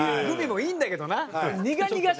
グミもいいんだけどな。